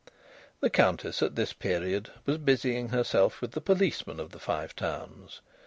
The Countess at this period was busying herself with the policemen of the Five Towns.